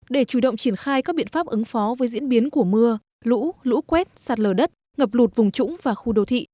để chủ động triển khai các biện pháp ứng phó với diễn biến của mưa lũ lũ quét sạt lở đất ngập lụt vùng trũng và khu đô thị